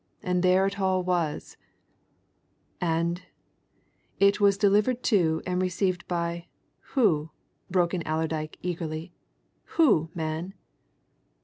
And there it all was " "And it was delivered to and received by who?" broke in Allerdyke eagerly. "Who, man?"